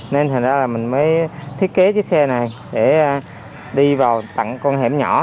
nên thành ra là mình mới thiết kế cái xe này để đi vào tặng con hẻm nhỏ